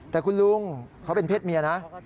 แต่คุณลุงเขาเป็นเพศเมียนะ